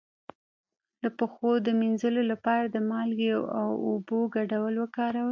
د پښو د مینځلو لپاره د مالګې او اوبو ګډول وکاروئ